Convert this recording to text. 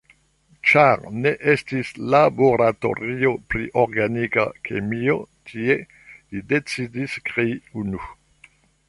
Ĉar ne estis laboratorio pri Organika Kemio tie, li decidis krei unu.